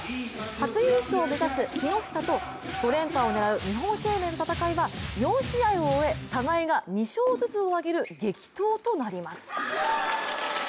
初優勝を目指す木下と５連覇を狙う日本生命の戦いは４試合を終え互いが２勝ずつを挙げる激闘となります。